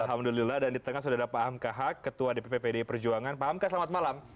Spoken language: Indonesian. alhamdulillah dan di tengah sudah ada pak hamka haq ketua dpp pdi perjuangan pak hamka selamat malam